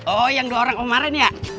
oh yang dua orang kemarin ya